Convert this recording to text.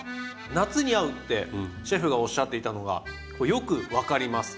夏に合うってシェフがおっしゃっていたのがよく分かります。